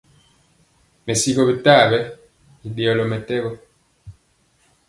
Mɛsigɔ bintayɛ i ɗeyɔlɔ mɛtɛgɔ.